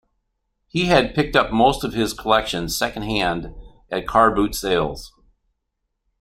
He had picked up most of his collection second-hand, at car boot sales